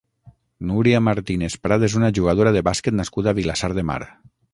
Núria Martínez Prat és una jugadora de bàsquet nascuda a Vilassar de Mar.